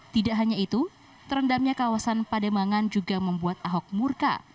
tidak hanya itu terendamnya kawasan pademangan juga membuat ahok murka